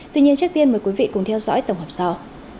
tuy nhiên trước tiên mời quý vị cùng theo dõi tổng hợp sau